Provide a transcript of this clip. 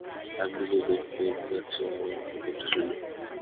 আমি নিজেই দেখতে পাচ্ছি আমার ভিতরটা শূন্য।